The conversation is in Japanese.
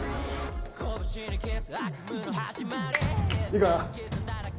いいか？